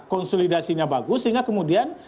konsolidasinya bagus sehingga kemudian